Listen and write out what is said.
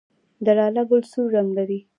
د لاله ګل سور رنګ لري